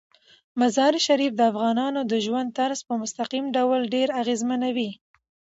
مزارشریف د افغانانو د ژوند طرز په مستقیم ډول ډیر اغېزمنوي.